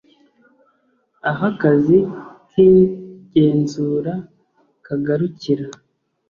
Aho akazi k igenzura kagarukira